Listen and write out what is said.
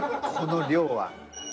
この量は。